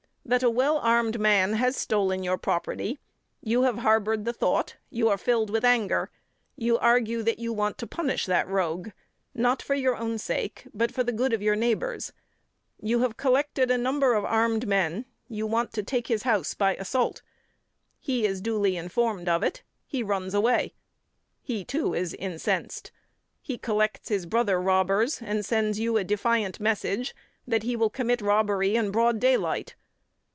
That a well armed man has stolen your property, you have harboured the thought, you are filled with anger; you argue that you want to punish that rogue, not for your own sake, but for the good of your neighbours; you have collected a number of armed men, you want to take his house by assault, he is duly informed of it, he runs away; he too, is incensed. He collects his brother robbers, and sends you a defiant message that he will commit robbery in broad day light.